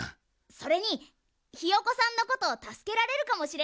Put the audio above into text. それにひよこさんのことたすけられるかもしれないもんね。